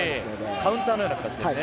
カウンターのような形ですね。